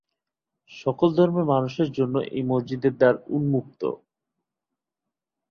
সকল ধর্মের মানুষের জন্য এই মসজিদের দ্বার উন্মুক্ত।